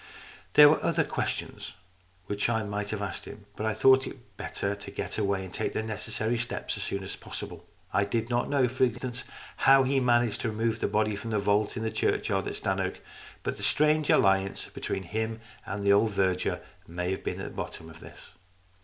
There were other questions which I might have asked him, but I thought it better to get away and take the necessary steps as soon as possible. I did not know, for instance, how he had managed to remove the body from the vault in the churchyard at Stannoke, but the strange alliance between him 214 STORIES IN GREY and the old verger might be at the bottom of this.